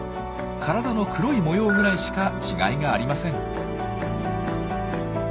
体の黒い模様ぐらいしか違いがありません。